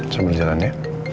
sambil jalan ya